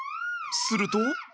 すると。